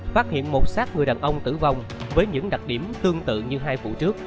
phát hiện một sát người đàn ông tử vong với những đặc điểm tương tự như hai vụ trước